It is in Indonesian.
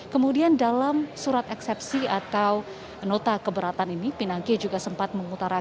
kemudian dalam surat eksepsi atau nota keberatan ini pinangki juga sempat mengutara